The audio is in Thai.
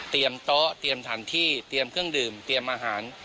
โต๊ะเตรียมฐานที่เตรียมเครื่องดื่มเตรียมอาหาร